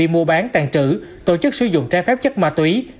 mua bán tàn trữ tổ chức sử dụng trái phép chất ma túy